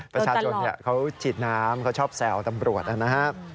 ประชาชนเขาฉีดน้ำเขาชอบแซวตำรวจนะครับ